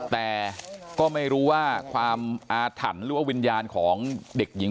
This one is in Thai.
แต่ก็ไม่รู้ว่าความอาถรรพ์หรือว่าวิญญาณของเด็กหญิง